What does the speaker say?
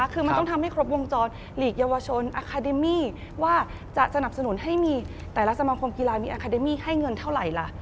คือมันต้องทำให้ครบวงจรหลีกเยาวชนอาคาเดมี่ว่าจะสนับสนุนให้มีแต่ละสมาคมกีฬามีอาคาเดมี่ให้เงินเท่าไหร่ล่ะ